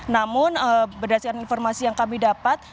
namun berdasarkan informasi yang kami dapat